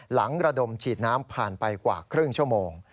ระดมฉีดน้ำผ่านไปกว่าครึ่งชั่วโมง